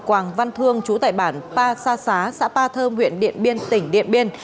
quảng văn thương chú tại bản pa sa xá xã ba thơm huyện điện biên tỉnh điện biên